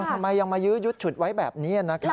ทำไมยังมายื้อยุดฉุดไว้แบบนี้นะครับ